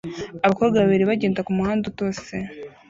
Abakobwa babiri bagenda kumuhanda utose